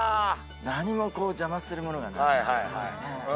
何も邪魔するものがないよね。